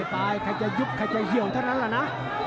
ไปใครจะยุบใครจะเหี่ยวเท่านั้นแหละนะ